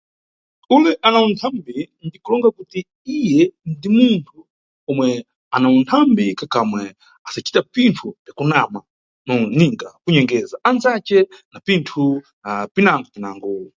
Ule ana uthambi ndi kulonga kuti iye ndi munthu ana uthambi kakamwe, asacita pinthu piyakunama ninga kunyengeza andzace na pinthu pinangopingango.